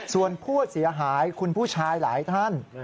ส่วนผู้เสียหายคุณผู้ชายหลายท่าน